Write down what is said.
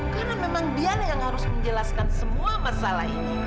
karena memang dia yang harus menjelaskan semua masalah ini